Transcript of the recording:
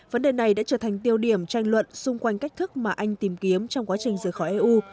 vấn đề này đã trở thành tiêu điểm tranh luận xung quanh cách thức mà anh tìm kiếm trong quá trình rời khỏi eu